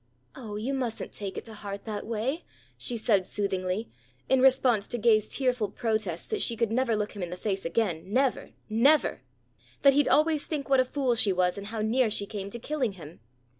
"Oh, you mustn't take it to heart that way," she said soothingly, in response to Gay's tearful protests that she could never look him in the face again, never, never! That he'd always think what a fool she was and how near she came to killing him.